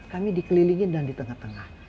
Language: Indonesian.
kami dikelilingi dan di tengah tengah